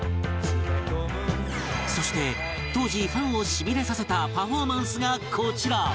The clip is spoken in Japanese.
そして当時ファンをしびれさせたパフォーマンスがこちら